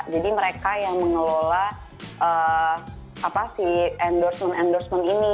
jadi mereka yang mengelola endorsement endorsement ini